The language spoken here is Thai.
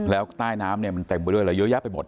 แล้วใต้น้ำเนี่ยมันเต็มไปด้วยอะไรเยอะแยะไปหมด